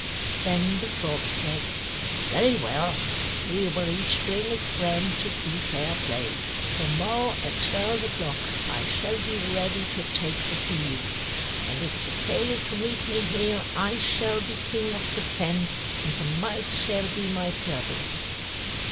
Then the Frog said: "Very well! We will each bring a friend to see fair play. To morrow at twelve o'clock I shall be ready to take the field; and if you fail to meet me here I shall be King of the Fen, and the mice shall be my servants."